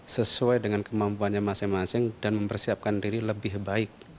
sesuai dengan kemampuannya masing masing dan mempersiapkan diri lebih baik